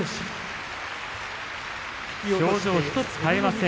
表情１つ変えません